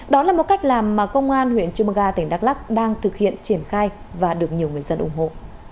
đó là một cách làm mà công an huyện chumaga tỉnh đắk lắc đang thực hiện triển khai và được nhiều người dân ủng hộ